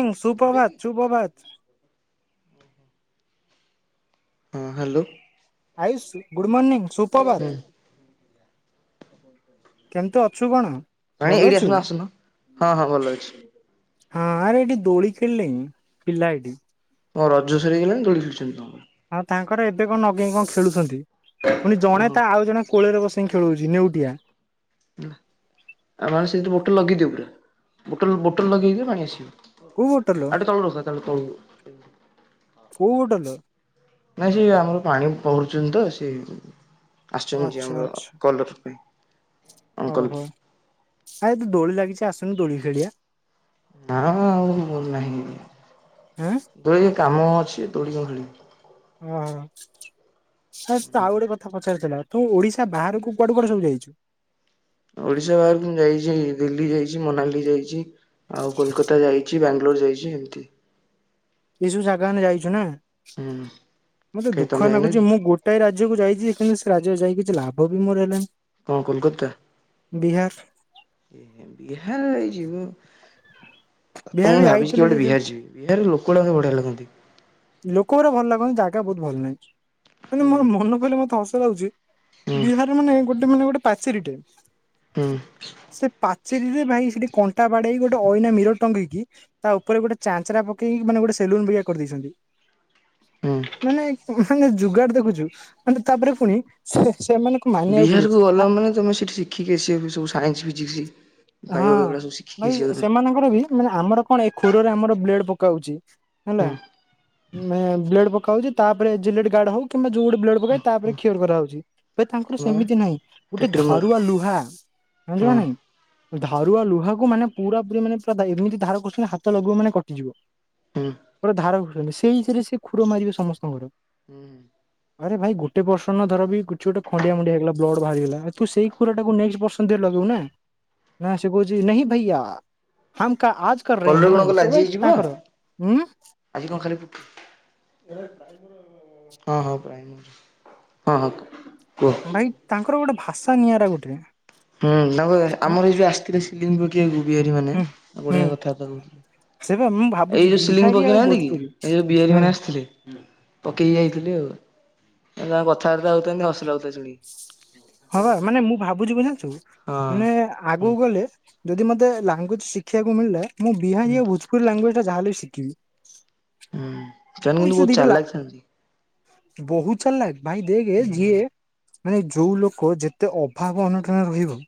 ହୁଁ ଏବେ କି? ସୁୁପ୍ରଭାତ ସୁୁପ୍ରଭାତ। ହଁ ହାଲୋ। ଆୟୁସୁ ଗୁ ଗୁଡ଼ ମର୍ଣ୍ଣିିଂ ସୁପ୍ରଭାତ। କେମତି ଅଛୁ କଣ? ଭଲ ଅଛୁ ହଁ ହଁ ହଁ ଭଲ ଅଛି। ହଁ ଆରେ ଏଠି ଦୋଳି ଖେଲିଲେଇଁ ପିଲା ଏଠି। ଙ୍କ ରଜ ସରିଇଗଲାଣି ଦୋଳିଛନ୍ତି ଖେଳୁଛନ୍ତି ତମର? ହଁ ତାଙ୍କର ଏ ବେ ଙ୍କ ନଗେଇ କଣ ଖେଳୁଛନ୍ତି ପୁଣି ଜଣେ ଓହୋ ତା ଆଉ ଜଣେ କୋଳରେ ବସେଇକି ଖେଳଉଛି ନେଉଟିଆ। ହେଲା ଆମେ ସେଇଠି ବୋଟଲ ଲଗେଇଦିବ ପୁରା ବୋଟଲ ବୋଟଲ ଲଗେଇଦିଅ ପାଣି ଆସିବ। କୋଉ ବୋଟଲ ଆଉ ଟିକେ ତଳୁ ରଖ ତଳୁ ତଳକୁ। କୋଉ ବୋଟଲ? ନାଇଁ ସେ ଆମର ପାଣି ପହରୁଛନ୍ତି ତ ସେଇ ଆସୁଛନ୍ତି ଯେ ଆଚ୍ଛା ଆମର ଆଚ୍ଛା କଲର ପାଇଁ। ଅଙ୍କଲ ଓହୋ ଆ ତ ଦୋଳି ଲାଗି କିଛି ଆସୁନୁ ଦୋଳି ଖେଳିଆ। ନା ମ ଆଉ ମୋର ନାହିଁ ଆଁ ଦୋ କାମ ଅଛି ଦୋଳି କଣ ଖେଳିବି? ହଁ। ହେ ତ ଆଉ ଗୋଟେ କଥା ପଚାରିଥିଲା? ତୁ ଓଡିଶା ବାହାରକୁ କୁଆଡୁ କୁଆଡେ ସବୁ ଯାଇଛୁ? ଓଡିଶା ବାହାରକୁ ମୁଁ ଯାଇଛି ଦିଲ୍ଲୀ ଯାଇଛି ମନାଲି ଯାଇଛି ଆଉ କୋଲକାତା ଯାଇଛି ବାଙ୍ଗଲୋର ଯାଇଛି ଏମତି। ଏଇ ସବୁ ଜାଗା ମାନେ ଯାଇଛୁ ନା? ହୁଁ ମତେ କାଇଁ ତମେ ଦୁଃଖ ଯାଇନ କି ଲାଗୁଛି ମୁଁ ଗୋଟାଏ ରା ରାଜ୍ୟକୁ ଯାଇଛି କିନ୍ତୁ ସେ ରାଜ୍ୟକୁ ଯାଇକ କିଛି ଲାଭ ବି ମୋର ନାହିଁ। କଣ କୋଲକାତା ବିହାର ହେଇ ଯିବ? ବିହାର ମୁଁ ବି ଭାବିଛି ଯାଇଥିଲୁ ସେ କେବେ ଯୋଉ ବିହାର ଯିବି ବିହାର ଲୋକ ଲୋକ ଗୁଡାକ ସବୁ ବଢ଼ିଆ ଲାଗନ୍ତି। ଲୋକ ଗୁରା ଭଲ ଲାଗନ୍ତି ଜାଗା ବହୁତ ଭଲ ନାହିଁ। କିନ୍ତୁ ହୁଁ ମୋର ମନେ କହିଲେ ମତେ ହସ ଲାଗୁଛି ବିହାର ମାନେ ଗୋଟେ ମାନେ ଗୋଟେ ପାଚିରି ଟାଇମ୍ ହୁଁ। ସେଥିିରେ ଭାଇ ସେଠି କଣ୍ଟା ବାଡେଇ ଗୋଟେ ଅଇନା ମିର ଟଙ୍ଗିକି ତା ଉପରେ ଗୋଟେ ଚାଞ୍ଚରା ପକି ମାନେ ଗୋଟେ ସେଲୁନ ବିୟଆ କରିଦେଇଛନ୍ତି। ହୁଁ ମାନେ ସାଙ୍ଗେ ଯୁୋଗାଡ ଦେଖୁଛୁ ମାନେ ତାପରେ ପୁଣି ସେ ସେମାନଙ୍କୁ ମାନିବାକୁ ପଡିବ ବିହାରକୁ ଗଲ ମାନେ ତମେ ସେଠି ଶିଖିକି ଆସିବା ସବୁ ସାଇନ୍ସ ଫିଜିକ୍ସ ବାୟୋ ହଁ ଏଗୁଡା ସବୁ ଶିଖିକି ଭାଇ ଆସିବ ତମେ ସେମାନଙ୍କର ବି ମାନେ ଆମର କଣ ଏ ଖରରେ ଆମର ବ୍ଲେଡ କହୁଛି। ହେଲା। ମେ ବ୍ଲେଡ ପକଉଛି ତାପରେ ଜିଲ ଗାର୍ଡ ହଉ କିମ୍ବା ଯୋଉ ପକ ତାପରେ କର କରାହାଉଛି ତାଙ୍କର ହୁଁ ସେମିତି ନାହିଁ ଗୋଟେ ଟିଟ୍ରିମୋର ଧାରୁଆ ଲୁହା ହଁ ନାଇଁ ଧାରୁଆ ଲୁହାକୁ ମାନେ ପୁରା ପୁରୀ ମାନେ ପୁରା ଏମିତି ଧାର କରୁଛନ୍ତି ହାତ ଲଗୁ ମାନେ କଟିଯିବ। ହୁଁ ପୁର ଧାରା ସେଇ ହରେ ସେ କୁର ମାରିବେ ସମସ୍ତଙ୍କର ହୁଁ ଆରେ ଭାଇ ଗୋଟେ ପର୍ସନ ଧର ବି କିଛି ଗୋଟେ ଖଣ୍ଡିଆଣ୍ଡିଆ ହେଇଗଲା ବ୍ଲଡ ବାହାରିଗଲା ତୁ ସେଇ ଖୁର ଟାକୁ ନେ ପର୍ସନରେ ଲଗେଇୁ ନା। ନା ସେ କହୁଚି ନେହି ଭଇଆ ହମ କା ଆଜ କର ରହେ କଲରେ ହେ କଣ କଲେ ସେ ଆଜି ଭାଇ ହେଇଯିବ ତାଙ୍କର ଉଁ ଆଜି କଣ ଖାଲି ହଁ ହଁ ହଁ ହ। ଭାଇ ତାଙ୍କର ଗୋଟେ ଭାଷା ନିଆରା ଗୋଟେ ହୁଁ ତାଙ୍କ ଆମର ଏଇ ଯୋଉ ଆସିଥିଲେଥିଲା ସିଲଲିଙ୍ଗପୁର। କି ବିହାରି ମାନେ ହୁଁ ହୁଁ। ବଢ଼ିଆ କଥାବାର୍ତ୍ତା ସେ ବା ମୁଁ କହୁଥିଲେ। ଭାବୁଛି ଏଇ ଯୋଉ ସିଲିଙ୍ଗ ବିହାରୀ ଆଉ ପକେଇନାହାନ୍ତି କି ଭୋଜପୁରୀ ଏଇ ଯୋଉ ବିହାରୀ ହଁ ମାନେ ଆସିଥିଲେ ପକେଇକି ଯାଇଥିଲେ ଆଉ। ତାଙ୍କ କଥାବାର୍ତ୍ତା ହଉଛନ୍ତି ହସିଲ ହଉ ହଁବା ମାନେ ମୁଁ ଭାବୁଛି ବୁ ଜଣିଛୁ ହଁ ମାନେ ଆଗକୁ ହୁଁ ଗଲେ। ଯଦି ମୋତେ ଲାଙ୍ଗୁଏଜ ଶିଖିବାକୁ ମିଳିଲେ। ମୁଁ ହୁଁ ବିହାରି ଭୋଜପୁର ଲାଙ୍ଗୁଏଜଟାହାଲଇସି କି? ଉଁ। ଜଣେ ଜଣେ ବହୁତ୍ ଚାଲାକ୍ ଥାଆନ୍ତି। ବହୁ ଚାଲାଖ। ଭାଇ ଦେଖେ ଯିଏ। ମାନେ ଯୋଉ ଲୋକ ଯେତେ ଅଭାବ ଅନଟନ ରହିବ।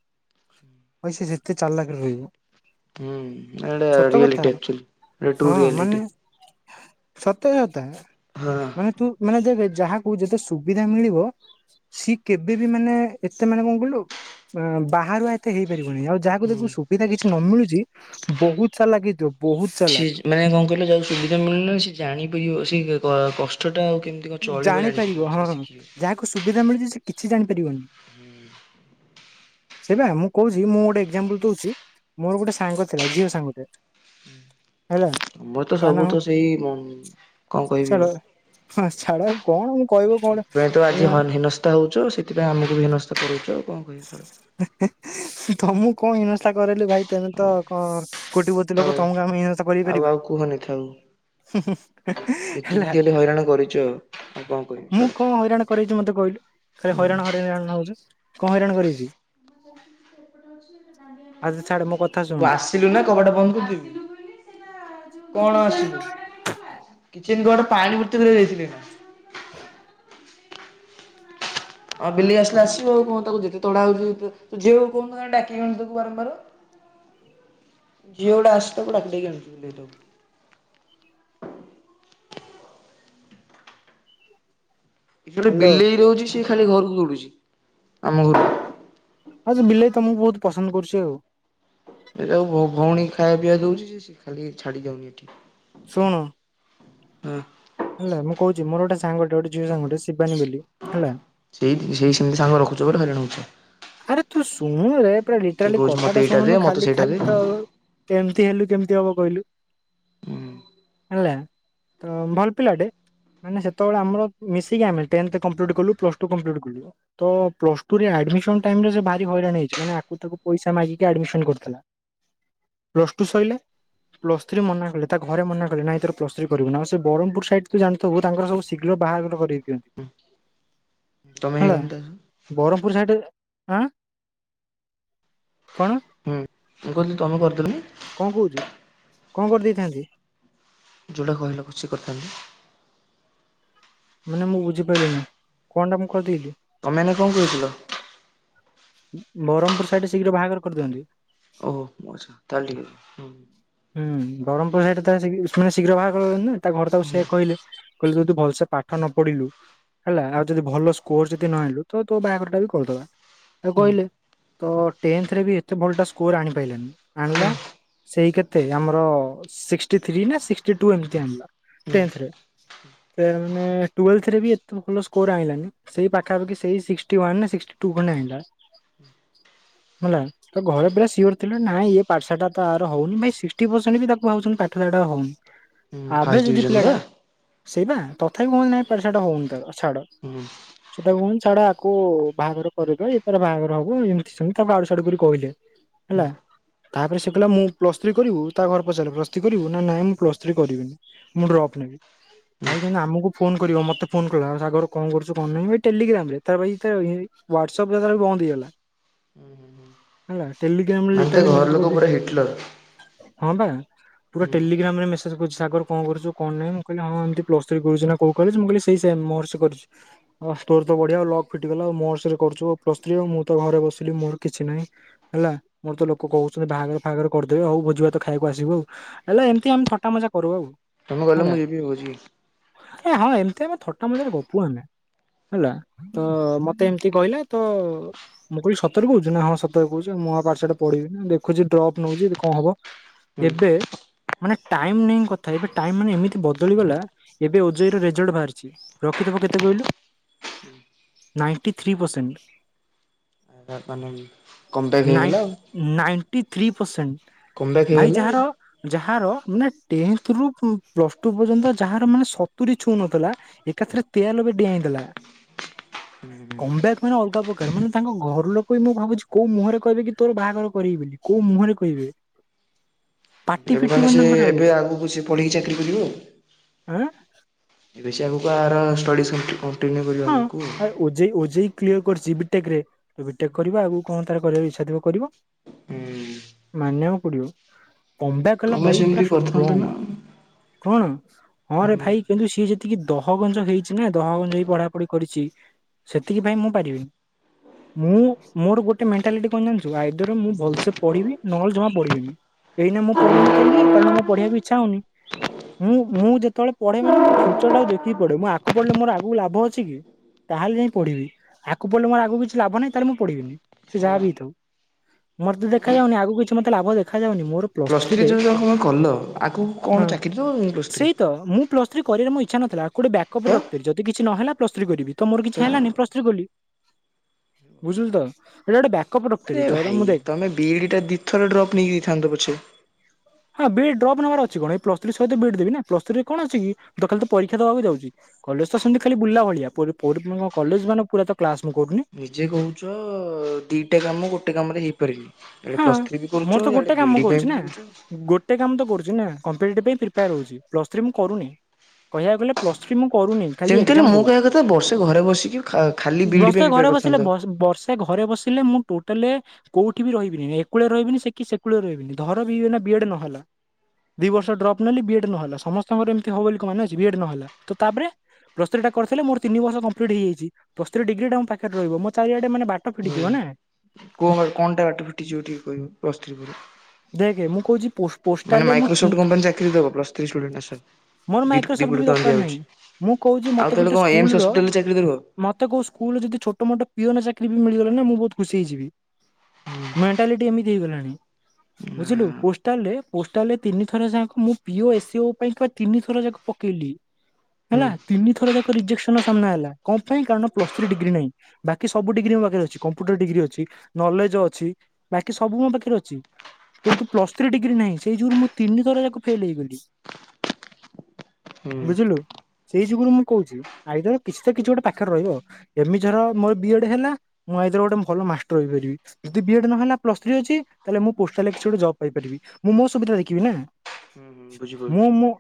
ପଇ ସେ ଯେତେ ଚାଲାଖରେ ରହିବ। ହୁଁ ଏଡା ସତ କଥା ରିୟାଲିଟି‌‌‍ ଆକଚଲି ଟ୍ରୁ ରିୟାଲିଟି। ସତରେ ଅତା। ମାନେ ତୁ ମାନେ ଯେ ରେ ଯାହାକୁ ଯେତେ ସୁବିଧା ମିଳିବ ସିଏ କେବେ ବି ମାନେ ଏତେ ମାନେ କଣ କହିଲୁ ଅଁ ବାହାରୁଆ ତେ ହେଇପାରିବ। [unintelligible] ଆ ଯାହା ଦେଖୁ ହୁଁ। ସୁବିଧା କିଛି ନ ମିଳୁଛି ବହୁତ ସା ଲାଗି [unintelligible] ଛିଜ ମାନେ କଣ କହିଲ ଯଉ ସୁବିଧା ମିଳି ଯାଛି ସେ ଜାଣି ପି ଓ ସି କି କସ୍ ଜାଣିପାରିବ ହଁ ଶିଖିଯିବ। ଯାହାକୁ ସୁବିଧା ମିଳୁଛି ସେ କିଛି ଜାଣିପାରିବନି। ସେଇପା ମୁଁ କହୁଛି ମୁଁ ଗୋଟେ ଏକଜାମ୍ପୁଲ ଦଉଚି ମୋର ଗୋଟେ ସାଙ୍ଗ ଥିଲା ଝିଅ ସାଙ୍ଗଟେ ହେଲା ମୁଁ ତ ତା ନା ସବୁ ତ ସେଇ ବଂ କ‌ଅଁ କହିବି ଛାଡ ଆଉ। ହଁ ଛାଡ ଆଉ କଣ? କହିବ କଣ ସେଇଥିପାଇଁ ତ ଆଜି ହନ୍ ହିନସ୍ତା ହଉଚୁ ସେଥିପାଇଁ ଆମକୁ ବି ହୀନସ୍ତା କରୁଚୁ ଆଉ। କଣ କହିବି ଛାଡ। ତମୁକ କଁ ହିନସ୍ତା କରେ। ଲେ ଭାଇ ତମେ ତ ହଉ କଁ କୋଟି ପତି ଆଉ ଲୋକ ତମକୁ ଆମେ ଇନଥା ଆଉ କରିପାରିବୁ ଆଉ କୁହନି ଥାଉ। ହୁଁ ହୁଁ [unintelligible] ଯେତିକି ହେଲା ଖାଲି ହଇରାଣ କରିଛୁ ଆଉ ଆଉ କଣ କହିବି ମୁଁ ଛାଡ। କଁ ହଇରାଣ କରେଇଚି ମତେ କହିଲୁ ଖାଲି ହଇରାଣ ହୁଁ ହରେୟାଣ ହଉଛୁ। କଁ ହଇରାଣ କରେଇଚି ଆ ତୁ ଆସିଲୁ ନା କବାଟା ବନ୍ଦ କରିଦେଲୁ କଣ ଆସ୍ ଚୀନ୍ ଗଡ଼ ପାଣି ମୁତିଦେ ଯାଇଚି। ଆଉ ବିଲେଇ ଆସିଲେ ଆସିବ ଆଉ କଣ ତାକୁ ଯେତେ ତଡା ହଉଚି [unintelligible] ଝିଅକୁ କହୁନ [unintelligible] ଡାକିବ ତାକୁ ବାରମ୍ବାର ଝିଅ ଗୋଟେ ଆସି ତାକୁ ଡାକିକି ଆଣୁ। ଗୋଟେ ହ୍ୟାଲୋ ବିଲେଇ ରହୁଛି ସେ ଖାଲି ଘରକୁ ଦୌଡୁଛି ଆମ ଘରକୁ। ହଁ ସେ ବିଲେଇ ତମକୁ ବହୁତ ପସନ୍ଦ କରୁଛି ଆଉ। ଏଟାକୁ ମୋ ଭଉଣୀ ଖାଇଆ ପିଇଆ ଦଉଚି ଯେ ଖାଲି ଛାଡି ଯାଉନି ଏଠି। ଶୁଣୁ। ହୁଁ। ହେଲା ମୁଁ କହୁଛି ମୋର ଗୋଟେ ସାଙ୍ଗଟେ ଗୋଟେ ଝିଅ ସାଙ୍ଗଟେ ଶିବାନୀ ବୋଲି ହେଲା। ସେଇ ତ୍ ସେଇ ସେମିତି ସାଙ୍ଗ ରଖୁଛ ବୋଲି ହଇରାଣ ହଉଚ। ଆରେ ତୁ ଶୁଣୁରେ। ପା ଲିଟରାଲି କହୁଛି କଥା ମତେ ଟା ଏଇଟା ଦେ ଶୁଣୁନୁ। ମତେ ଖାଲି ସେଇଟା ଖାଲି ଦେ। ତ କେମିତି ହେଲୁ କେମିତି। କି ହବ କହିଲୁ। ହୁଁ। ହେଲା ତ ଭଲ ପିଲାଟେ। ମାନେ ସେତେବେଳେ ଆମର ମିଶିକି ଆମେ ଟେନ୍ଥ କମ୍ପ୍ଲିଟ୍ କଲୁ ପ୍ଲସ୍ ଟୁ କମ୍ପ୍ଲିଟ୍ କଲୁ। ପ୍ଲସ ଟୁରେ ଆଡମିସନ ଟାଇମରେ ସେ ଭାରି ହଇରାଣ ହେଇଛି। ମାନେ ଆକୁ ତାକୁ ପଇସା ମାଗିକି ଆଡମିସନ କରିଥିଲା। ପ୍ଲସ୍ ଟୁ ସଇଲା ପ୍ଲସ୍ ଥ୍ରୀ ମନା କଲେ। ତା ଘରେ ମନା କଲେ ନାଇଁ ତର ପ୍ଲସ୍ ଥ୍ରୀ କରିବୁ ନା ଆଉ ସେ ବ୍ର୍ମପୁର ସାଇଟ୍ ତୁ ଜାଣିଥିବୁ। ତାର ସବୁ ଶୀଘ୍ର ବାହାଘର କରବେ ତମେ ହେଲା ହେଇଗଲଣି ତା ସହ। ବରମପୁର ସାଇଡ ଆଁ। କଣ? ହୁଁ ମୁଁ କହିଲି ତମେ କର? କଣ କହୁଛୁ? କଣ କରିଦେଇଥାନ୍ତି। ଯୋଉଡ଼ା କହିଲ ଖୁସି କରୁଥାନ୍ତେ। ମାନେ ମୁଁ ବୁଝିପାରିଲି ନି କଣ ଟା ମୁଁ କହିଦେଲିି। ତମେ ଏନା କଣ କହୁଥିଲ। ବ୍ରହମପୁର ସାଇଟ ରେ ଶୀଘ୍ର ବାହାଘର କରିଦିଅନ୍ତି। [unintelligible] ହୁ ବ୍ରହ୍ମପୁର ସଇଟ ତାଲେ ସେ ଶୀଘ୍ର ବାହାଘର ନା ତା ଘର ତାକୁ ହୁଁ ସେଇଆ କହିଲେ କହିଲେ ତୁ ଭଲସେ ପାଠ ନ ପଢିଲୁ ହେଲା। ଆଉ ଯଦି ଭଲ ସ୍କୋର ଯଦି ନଆଣିଲୁ ତ ତୋ ବାହାଘର ଟା ବି କରିଦବା। ତାକୁ କହିଲେ ହୁଁ ତ ଟେନ୍ଥ ରେ ବି ଏତେ ଭଲଟା ସ୍କୋର ଆଣିପାରିଲାନି। ଆଣିଲା ସେଇ କେତେ ତେ ଆମର ସିକ୍ସ୍ ଥ୍ରି ନା ସିକ୍ସଟି ଟୁ ଏମିତି ଆଣିଲା ଟେନ୍ଥ ରେ। ଏ ଉ ମାନେ ଟୁଏଲଥ୍ ଏତେ ବି ସ୍କୋର ଆଣିଲାନି ସେଇ ପାଖାପାଖି ସେଇ ସିକ୍ସ୍ ୱନ୍ ସିକ୍ସଟି ଟୁ ଖଣ୍ଡେ ଆଣିଲା। [inaudible] ହେଲା ତ ଘରେ ପୁରା ସିଓର ଥିଲେ ନାଇଁ ଇଏ ପାଠଶାଟ ଆର ହଉନି। ଭାଇ ସି ସିକ୍ସଟି ପରସେଣ୍ଟ ବି ତାକୁ ଭାବୁଛନ୍ତି ପାଠ ସାଠ ହଉନି। ହୁଁ ଫାଷ୍ଟ ଆଭରେଜ୍ ଅଛି ଡିଭିଜନ ବା ପିଲାଟା। ସେଇ ବା ତଥାପି କୁହନ୍ତି ନାଇଁ ପାଠ ସାଠ ହଉନି ତାର ଛାଡ ହୁଁ ସେଟା କୁହନ୍ତି ଛାଡ ଆକୁ ବାହାଘର କରିଦେ ତାର ବାହାଘର ହବ। ଏମିତି ସେମତି ତାକୁ ଆଡୁ ସିଆଡୁ କରି କହିଲେ। ହୁଁ ହେଲା ତାପରେ ସେ କହିଲା ମୁଁ ପ୍ଲସ୍ ଥ୍ରୀ କରିବୁ ତା ଘରେ ପଚାରିଲ କରିବୁ। ନା ନାଇଁ ମୁଁ ପ୍ଲସ୍ ଥ୍ରୀ କରିବିନି। ମୁଁ ଡ୍ରପ୍ ନେବି ଭାଇ କ ଆମକୁ ଫୋନ କରିବ ମତେ ଫୋନ୍ କରିବ କଣ କରୁଚ କଣ ନାହିଁ ଟେଲିଗ୍ରାମ ରେ ହୱାଟସ୍ଆପ ବନ୍ଦ ହେଇଗଲା [inaudible] ହେଲା। ରେ ମନେ ତା ଲିଟରାଲି ମେସେଜ ଘର ଲୋକ କରୁଛି ପୁରା ହିଟଲର। ହଁ ବା ପୁରା ହୁଁ ଟେଲିଗ୍ରମ ରେ ମେସେଜ୍ କରୁଛି। ସାଗର କଣ କରୁଛୁ କଣ ନାହିଁ ମୁଁ କହିଲିଁ ଏମତି ପ୍ଲସ ଥ୍ରୀ କରୁଛି ନା କଉ କଲେଜ୍। ମୁଁ କହିଲି ସେଇ ସେମ୍ ମରସ୍ କରୁଛି ଅ ତୋର ତ ବଢିଆ ଲକ୍ ଫିଟିଗଲା ଆଉ ମରସ୍ ରେ କରୁୁଚୁ। ପ୍ଲସ ଥ୍ରୀ ଆ ମୁଁ ତ ଘରେ ବସିଲି ମୋର କିଛି ନାହିଁ ହେଲା। ମୋର ତ ଲୋକ କହୁଛନ୍ତି ବାହାଘର ଫାହାଘର କରିଦେବେ ହଉ ଭୋଜି ଭାତ ଖାଇବାକୁ ଆସିବୁ ଆଉ। ହେଲେ ଏମିତି ଆମେ ଥଟ ମଜା କରୁ ଆଉ। ତମେ ଗଲେ ହେଲା ମୁଁ ଯିବି ହଉଚି। ଏ ହଁ ଏମିତି ଆମେ ଥଟା ମଜରେ ଗପୁ ଆମେ ହେଲା। ତ ମୋତେ ଏମିତି କହିଲା ତ ମୁଁ କହିଲି ସତରେ କହୁଛି ନା ହଁ। ସତରେ କହୁଛି। ମୁଁ ଆଉ ପାଠସାଠ ପଢିବିନି ଦେଖୁଛି ଡ୍ରପ୍ ନୋଉଚି ଯଦି କଣ ହବ ହୁଁ ଏବେ ମାନେ ଟାଇମ ନାଇଁ କଥାଇ ମାନେ ଏମିତି ବଦଳିଗଲା। ଏବେ ଓ ଜେ ଇ ର ରେଜଲ୍ଟ ବାହାରିଛି ରଖିଥିବ କେତେ କହିଲୁ ନାଇନ୍ଟି ଥ୍ରି ପର୍ସେଣ୍ଟ। ମାନେ କମ୍ ବ୍ୟାକ୍ ନାଇ ହେଇଗଲା ଆଉ ନାଇନ୍ ଥ୍ରୀ ପରସେଣ୍ଟ। କମ୍ ବ୍ୟାକ୍ ଭାଇ ହେଇଗଲା ଆଉ ଯାହାର ଯାହା ତାର ମାନେ ଟେନ୍ଥ ରୁ ପ୍ଲସ ଟୁ ପର୍ଯ୍ୟନ୍ତ। ଯାହାର ମାନେ ସତୁରି ଛୁଉଁ ନଥିଲା ଏକାଥରେ ତେୟାଲବେ ଡେଇଁଦେଲା। କମ୍ବେକ୍ ମାନେ ଅଲଗା ପ୍ରକାର। ମାନେ ତାଙ୍କ ଘର ଲୋକ ବି ମୁଁ ଭାବୁଛି କୋଉ ମୁହଁରେ କହିବେ କି ତୋର ବାହାଘର କରିବି ବୋଲି। କୋଉ ମୁହଁରେ କହିବେ। [inaudible] ମାନେ ଫିଟିବନି ସେ ତାଙ୍କର ଆଉ ଏବେ ଆଗକୁ ସେ ପଢ଼ିକି ଚାକିରରି କରିବେ ଆଉ ଆଁ ବେଶୀ ଆଗକୁ ଆର ଷ୍ଟଡି ସେଣ୍ର କ ହଁ ଆରେ ଓଜେଇ ଓଜେଇ କ୍ଲିୟର କରିଛି ବିଟେକରେ ବିଟେକ୍ କରିବ। ଆଗକୁ କଣ ତାର କରିବାକୁ ଇଚ୍ଛାଥିବ କରିବ। ହୁଁ ମାନୁ ପଡ଼ିବ ଉଁ କମବାକ କଲା ତମେ ଭାଇ ପୁରା ସେମିତି କରିଥାନ୍ତ ଷ୍ଟ୍ରଙ୍ଗ ନା କଣ ହଁରେ ତମେ ଭାଇ କିନ୍ତୁ ସିଏ ଯେତିକି ହଁ ବନ୍ଧୁ ହେଇ [unintelligible] ଯୋଉ ପଢା। କରିଛି ସେତିକି ପାଇଁ ମୁଁ ପାରିବିନି ମୁଁ ମୋର ଗୋଟେ ମେଣ୍ଟାଲିଟୀ କଣ ଜାଣିଛୁ ଆଇଦର ମୁଁ ଭଲ ସେ ପଢିବି ନହେଲେ ଜମା ପଢିବି ଏଇ ନା ମୁଁ ପଢୁନି କାହିଁକି କାରଣ ମୋ ପଢିବାକୁ ଇଚ୍ଛା ହଉନି ମୁଁ ମୁଁ ଯେତେବେଳେ ପଢେ ମାନ ମୁଁ ଫ୍ୟୁଚରଟା ଦେ କି ପଡେଁ ଆଗକୁ ପଡିଲ ମୋର ଆକୁ ଲାଭ ଅ ଛି କି ତାହେଲେ ଯାଇ ପଢିବି ଆଗ ପଢିଲେ ମୋର ଆଗ କିଛି ଲାଭ ନାହିଁ ତାହେଲେ ମୁଁ ପଢ଼ିବିନି ସେ ଯାହା ହଁ ବି ହେଇଥାଉ ମୋର ତ ଦେଖାଯ ଯାଉନି ଆଗକୁ କିଛି ମତେ ଲାଭ ଦେଖାଯାଉନି। ମୋର ପ୍ଲସ ପ୍ଲସ୍ ଥ୍ରୀ ଥ୍ରୀରେ ଯଦି କଣ କଲ ଆଗକୁ କଣ ହଁ ଚାକିରି ଦ ପ୍ଲସ୍ ଥ୍ରୀ ସେଇ ତ ମୁଁ ପ୍ଲସ୍ କରିବାର ମ ଇଚ୍ଛା ନଥିଲା। ଗୋଟ ତ ବ୍ୟାକପରେ ରଖିିବ ଯଦି କି କିଛି ନହେଲେ ପ୍ଲସ୍ ଥ୍ରୀ କରିବି। ତ ମୋର କିଛି ହେଲାନି ପ୍ରସ୍ ଥ୍ରୀ କଲି। ବୁଝିଲ ତ ଏଟା ବ୍ୟାଖ ଆରେ ଭାଇ ତମେ ବି ଡି ଟା ଦଇ ଥର ଡ୍ରପ୍ ନେଇକି ଦେଇଥାନ୍ତ ପଛେ। ଟପ ନବାର ଅଛି କଣ ଏ ପସ ଥ୍ରୀ ସହିତ ବିଟ ଦେବି ନା ପ୍ସସ ଥ୍ରୀ ରେ କଣଛି କି ତାଲି ତ ପରୀକ୍ଷା ଦେବାକୁ ଯାଉଛି କଲେଜ ତ ସେମତି ଖାଲି ବୁଲା ଭ [unintelligible] କଲେଜ ମାନେ ପୁରାତ କ୍ଲାସ ମୁଁ କରୁନି ନିଜେ କହୁଛ ଦିଟା କାମ ଗୋଟେ କାମରେ ହେଇପାରିବି। ହଁ ମୋର ତ ଗୋଟେ କାମ ପାଇଁ କରୁଛି ବି ନା ଦଉଛ ଗୋଟେ କାମ ତ କରୁଛି ନା କମ୍ପିଟେଟିଭ ପାଇଁ ପ୍ରିପାର ହଉଛି। ରେ ମୁଁ କରୁନି କହିବାକୁ ଗଲେ- ପ୍ଲସ୍ ଥ୍ରୀ ମୁଁ କରୁନି ଖାଲି ସେମିତି ହେଲେ ଏକ୍ଜାମ ମୁଁ ଦଉଛି। କହିବା କଥା ବର୍ଷେ ଘରେ ବସିକି ଖା ଖାଲି ବିଇଡି ପାଇଁ ବର୍ଷେ ପ୍ରିପେୟାର ଘରେ ବସିଲେ କରିଥାନ୍ତ। ବର୍ଷେ ଘରେ ବସିଲେ ମୁଁ- ଟୋଟାଲେ କୋଉଠି? ଠ ବି ରହିବିନି ଏକୁଳିରେ ରହିବିନି ସେି ସେକୁୁରେ ରହିବିନି ଧର ବି ବିଏଡ ନ ହେଲା ଦି ବର୍ଷ ଡ୍ରପ ନଲେ ବିଏଡ୍ ନହେଲା ସମସ୍ତଙ୍କର ଏମିତି ହବ ବୋଲି ମାନେ ଅଛି। ବି ଏଡ ନହେଲା ତ ତାପରେ ପ୍ଲସଥ୍ରୀ ଟା କରିଥିଲେ ମୋର ତିନି ବର୍ଷ କମ୍ପ୍ଲିଟ ହେଇଯାଇଛି ପ୍ଲଥ୍ରି ଡିଗ୍ରୀ ଟା ମୋ ପାଖରେ ରହ ମୋ ଚାରିଆଡେ ମାନେ ବାଟ ହୁଁ ଫିଟିଯିବ ନା। କୁହ। କଣଟା ବାଟ ଫିଟିଯିବ ଟିକେ କହିବ ପ୍ଲସଥ୍ରି ପରରେ। ଦେଖ ମୁଁ କହୁଛି। ପୋଷ୍ଟ ପୋଷ୍ଟାଲ ରେ ମୁଁ କମ୍ପାନୀ ଚାକିରି ଦବ ପ୍ଲସ୍ ଥ୍ରୀ ଷ୍ଟୁଡେଣ୍ଟ ଆସ ମୋର ଦି ଦି ମାଇକ୍ରୋସଫ୍ଟ କୋଟି ବି ଟଙ୍କା ଦରକାର ନାହିଁ। ଦିଆହଉଛି ମୁଁ କହୁଛି ଆଉ ମତେ ତାହେଲେ ଗୋଟେ କଣ ଏମ୍ସ ସ୍କୁଲର ହସ୍ପିଟାଲରେ ଚାକିରି ଦବ ହୁଁ। ମୋତେ କଉ ସ୍କୁଲ ଯଦି ଛୋଟ ମୋଟ ପିଓନ ଚାକିରି- ମିଳିଗଲେ ନା ମୁଁ ବହୁତ ଖୁସି ହେଇଯିବି। ମେଣ୍ଟାଲିଟି ଏମିତି ହେଇଗଲାଣି। ବୁଝିଲୁ ପୋଷ୍ଟାଲରେ ପୋଷ୍ଟାଲରେ ତିନିଥର ଯାକ ମୁଁ ପିଇଓ ଏସିଓ ପାଇଁ କା ତିନି ଥର ଯାକ ପକେଇଲି। ହୁଁ ହେଲା ତିନି ଥରେ ଯାକ ରିଜେକ୍ସନ ଆ ସାମ୍ନା ହେଲା। କଣ ପାଇଁ କାରଣ ପ୍ଲସ୍ ଥ୍ରୀ ଡିଗ୍ରୀ ନାହିଁ। ବାକି ସବୁ ଡିଗ୍ରୀ ମୋ ପାଖରେ ଅଛି। କମ୍ପ୍ୟୁଟର ଡିଗ୍ରୀ ଅଛି। ନଲେଜ ଅଛି। ବାକି ସବୁ ମୋ ପାଖରେ ଅଛି। କିନ୍ତୁ ପ୍ଲସ ଥ୍ରୀ ଡିଗ୍ରୀ ନାହିଁ ସେଇ ଯୁଗରୁ ମୁଁ ତିନି ଥର ଯାକ ଫେଲ ହେଇଗଲି। ହୁଁ। ବୁଝିଲୁ ସେଇ ଯୁଗୁରୁ ମୁଁ କହୁଛି। ଆଇଦର କିଛି ତ କିଛି ଗୋଟେ ପାଖରେ ରହିବ ଏମିତି ଧର ମୋର ବିଏଡ ହେଲା ମୁଁ ଆଇଦର ଗୋଟେ ଭଲ ମାଷ୍ଟର ହେଇପାରିବି ଯଦି ବିଏଡ ନହଲା ପ୍ଲସ୍ ଥ୍ରୀ ଅଛି। ତାହେଲେ ମୁଁ ପୋଷ୍ଟାଲରେ କିଛି ଗୋଟେ ଜବ ପାଇପାରିବି। ମୁଁ ମୋ ସୁବିଧା ଦେଖିବି ନା। ହୁଁ ହୁଁ ମୁଁ ବୁଝିପାରୁଛି। ମୁଁ।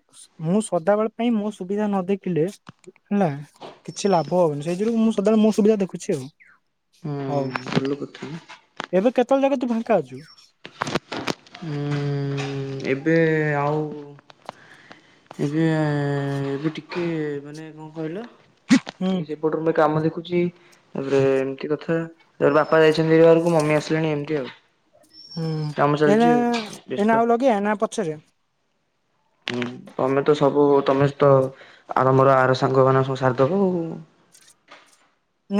ମୁଁ ସଦାବେଳେ ପାଇଁ ମୋ ସୁବିଧା ନ ଦେଖିଲେ ହେଲା କିଛି ଲାଭ ହବନି, ସେଇ ଯୁୁଗୁରୁ ମୁଁ ସଦାବେଳେ ମୋ ସୁବିଧା ଦେଖୁଛି ଆଉ, ହଉ ହୁଁ। ଭଲ କଥା ଏବେ କେତେବେଳେ ଜାଗା ତୁ ଫାଙ୍କା ଅଛୁ? ଉଁ ଏବେ ଆଉ। ଏବେ ଏବେ ଟିକେ ମାନେ କଣ କହିଲ ହୁଁ ସେପଟରୁ କାମ ଦେଖୁ ତାପରେ ଏମିତି କଥା ତାପରେ ବାପା ଯାଇଛନ୍ତିି ବାହାରକୁ ମମି ଆସିଲେଣି ଏମିତି ଆଉ। ହୁଁ କାମ ଚାଲିଛି ଏଇନା ଆଉ ବ୍ୟସ୍ତ। ଏଇନା ଆଉ ଲଗେଇଆ ନା ପଛରେ? ହୁଁ ତମେ ତ ସବୁ ତମେ ତ ଆର ମୋର ଆର ସାଙ୍ଗ ମାନ ସବୁ ସାରିଦବ ଆଉ।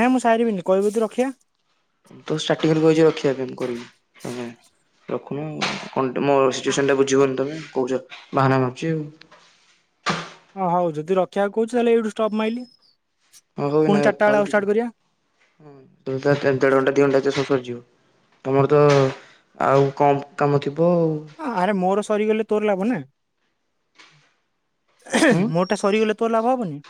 ନାଇଁ ମୁଁ ସାରିବିନି କହିବୁ ଯଦି ରଖିବା। ମୁଁ ତ ଷ୍ଟାର୍ଟିଂ ରୁ କହିଛି ରଖିବା ପାଇଁ କରିବି, ରଖୁନ ମୋ ସିଚୁଏସନ ଟା ବୁଝିବୁନି ତମେ କହୁଛ ବାହାନା ମାରୁଚି ଆଉ। ଓ ହଉ ଯଦି ରଖିବାକୁ କହୁଛି ତାହେଲେ ଏଇଠୁ ଷ୍ଟପ୍ ମାଇଲିି। ହଁ ହଉନାଇ ଥାଉ ଟିକେ, ହଁ ଦି ଦେଢ଼ ଘଣ୍ଟା ଦି ଘଣ୍ଟା ଯାଇ ତମର ତ ଆଉ କଣ କାମ ଥିବ। ଆଉ ଆରେ ମୋର ସରିଗଲେ ତୋର ଲାଭ ନା। ମୋରଟା ସରିଗଲେ ତୋ ଲାଭ ହବନି?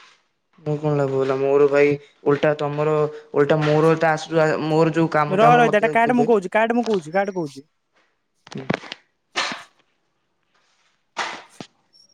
ମୋର କଣ ଲାଭ ହେଲା, ମୋର ଭାଇ ଓଲଟା ତମର ଓଲଟା ମୋର ଏଟା ଆସୁ ମୋର ଯୋଉ କାମ ରହ ରହ ଦାମ ଏଇଟା ମତେ କାଟେ ମୁଁ ଦେବେ। କହୁଛି କାଟେ ମୁଁ କହୁଛି କାଟେ କହୁଛି। [unintelligible] [unintelligible] [unintelligible]